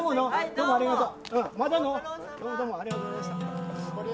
どうもどうもありがとうございました。